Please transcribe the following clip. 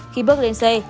khi bước lên xe